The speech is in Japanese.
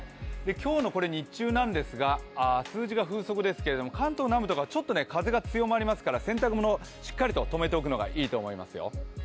今日の日中なんですが、数字が風速ですけど関東南部とかはちょっと風が強まりますから、洗濯物をしっかりと止めておくのがいいと思いますよ。